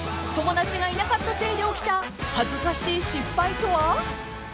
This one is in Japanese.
［友達がいなかったせいで起きた恥ずかしい失敗とは？］